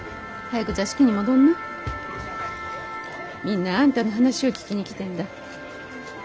みんなあんたの話を聞きに来てんだ。